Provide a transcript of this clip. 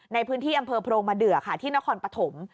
ในพื้นที่อำเภอโพรงมะเดือค่ะที่นครปฐม